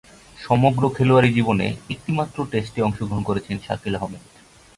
সমগ্র খেলোয়াড়ী জীবনে একটিমাত্র টেস্টে অংশগ্রহণ করেছেন শাকিল আহমেদ।